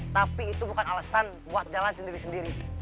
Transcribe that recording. tapi itu bukan alasan buat jalan sendiri sendiri